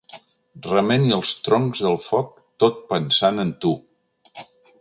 Remeni els troncs del foc tot pensant en tu.